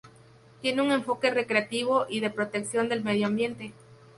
Tiene un enfoque recreativo y de protección del medio ambiente.